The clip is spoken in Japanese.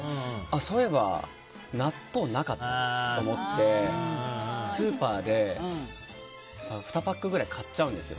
そういえば納豆なかったなと思ってスーパーで２パックくらい買っちゃうんです。